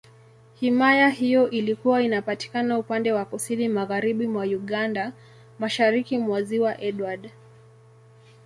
Himaya hiyo ilikuwa inapatikana upande wa Kusini Magharibi mwa Uganda, Mashariki mwa Ziwa Edward.